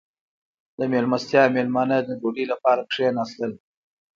• د میلمستیا مېلمانه د ډوډۍ لپاره کښېناستل.